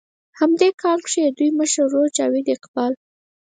هم دې کال کښې د دوي مشر ورور جاويد اقبال